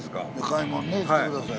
買いもんねしてください。